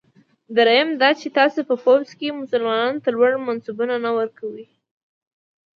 دریم دا چې تاسي په پوځ کې مسلمانانو ته لوړ منصبونه نه ورکوی.